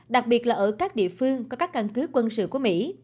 đặc biệt là ở các địa phương có các căn cứ quân sự của mỹ